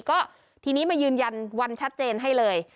ก็ทีนี้มายืนยันวันชัดเจนให้เลย